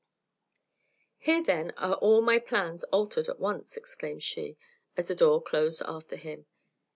"Here, then, are all my plans altered at once," exclaimed she, as the door closed after him.